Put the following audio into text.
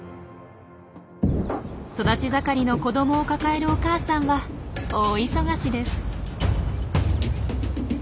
育ち盛りの子どもを抱えるお母さんは大忙しです。